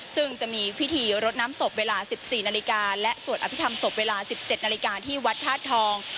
ซึ่งจะมีพิธีรดน้ำศพเวลา๑๔นาฬิกาและสวดอภิษฐรรมศพเวลา๑๗นาฬิกาที่วัดธาตุทอง